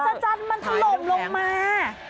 อัศจรรย์มันทะลมลงมา